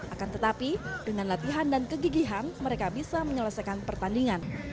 akan tetapi dengan latihan dan kegigihan mereka bisa menyelesaikan pertandingan